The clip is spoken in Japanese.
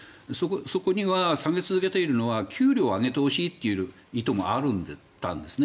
そこには下げ続けているのは給料を上げてほしいという意図があるんですね。